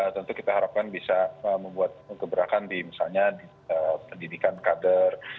tentu kita harapkan bisa membuat gebrakan di misalnya di pendidikan kader